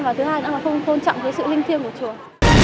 và thứ hai là không tôn trọng với sự linh thiêng của trường